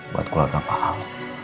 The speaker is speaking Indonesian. buat keluarga pa'al